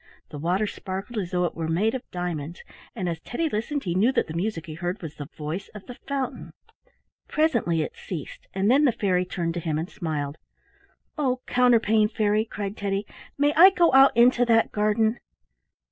The water sparkled as though it were made of diamonds, and as Teddy listened he knew that the music he heard was the voice of the fountain. Presently it ceased and then the fairy turned to him and smiled. "Oh, Counterpane Fairy!" cried Teddy, "may I go out into that garden?"